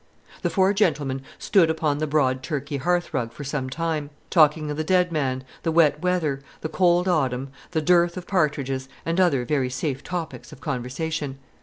The four gentlemen stood upon the broad Turkey hearth rug for some time, talking of the dead man, the wet weather, the cold autumn, the dearth of partridges, and other very safe topics of conversation.